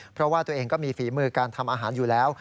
เพราะว่าตัวเองก็มีฝีมือการทำอาหารอยู่แล้ว